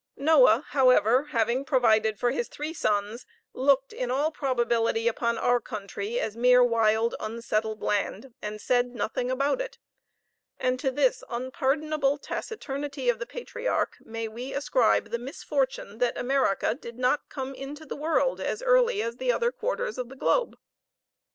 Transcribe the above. Noah, however, having provided for his three sons, looked in all probability upon our country as mere wild unsettled land, and said nothing about it; and to this unpardonable taciturnity of the patriarch may we ascribe the misfortune that America did not come into the world as early as the other quarters of the globe.